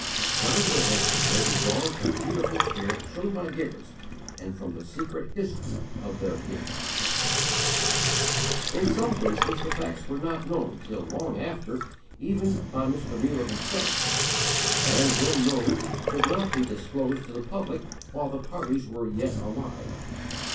Valuable lessons may be drawn from the beautiful spirit shown by givers and from the secret history of their gifts. In some cases the facts were not known till long after, even by Mr. Muller himself; and when known, could not be disclosed to the public while the parties were yet alive.